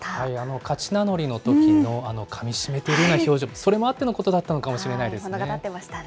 勝ち名乗りのときのあのかみしめているような表情、それもあってのことだったのかもしれないですね。